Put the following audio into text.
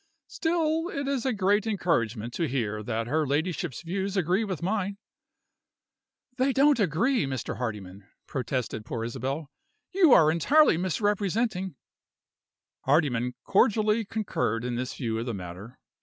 Still, it's a great encouragement to hear that her Ladyship's views agree with mine " "They don't agree, Mr. Hardyman!" protested poor Isabel. "You are entirely misrepresenting " Hardyman cordially concurred in this view of the matter.